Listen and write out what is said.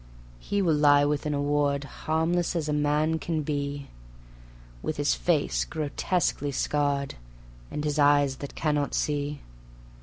He will lie within a ward, Harmless as a man can be, With his face grotesquely scarred, And his eyes that cannot see.